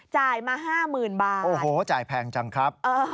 จ่ายมา๕๐๐๐บาทโอ้โหจ่ายแพงจังครับ